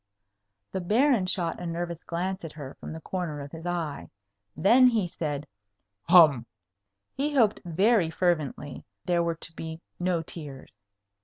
The Baron shot a nervous glance at her from the corner of his eye. Then he said, "Hum!" He hoped very fervently there were to be no tears.